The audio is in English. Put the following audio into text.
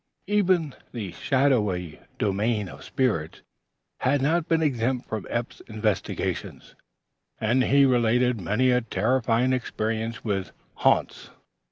Even the shadowy domain of spirits had not been exempt from Eph's investigations, and he related many a terrifying experience with "ha'nts."